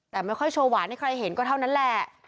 แต่ไม่ค่อยโชว์หวานให้ใครเห็นก็เท่านั้นแหละ